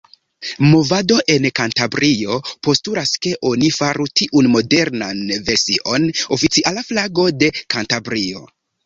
Movado en Kantabrio postulas, ke oni faru tiun modernan version oficiala flago de Kantabrio.